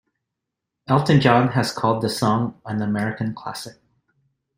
Elton John has called the song an American classic.